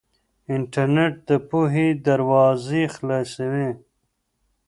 انټرنيټ د پوهې دروازې خلاصوي.